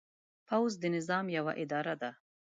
پوځ د نظام یوه اداره ده.